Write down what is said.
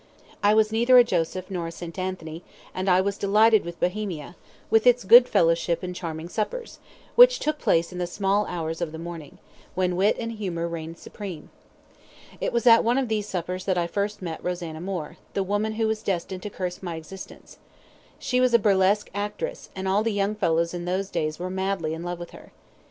I was neither a Joseph nor a St. Anthony, and I was delighted with Bohemia, with its good fellowship and charming suppers, which took place in the small hours of the morning, when wit and humour reigned supreme. It was at one of these suppers that I first met Rosanna Moore, the woman who was destined to curse my existence. She was a burlesque actress, and all the young fellows in those days were madly in love with her.